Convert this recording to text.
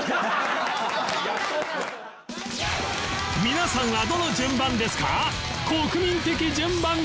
皆さんはどの順番ですか？